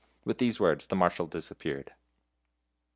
With these words the Marshal disappeared.